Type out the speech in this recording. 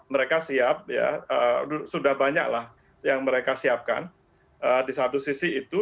mereka siap ya sudah banyaklah yang mereka siapkan di satu sisi itu